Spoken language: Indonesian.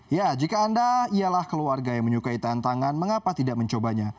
ya jika anda ialah keluarga yang menyukai tantangan mengapa tidak mencobanya